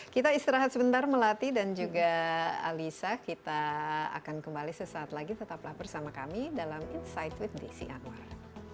kita istirahat sebentar melati dan juga alisa kita akan kembali sesaat lagi tetaplah bersama kami dalam insight with desi anwar